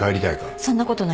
そんなことないです。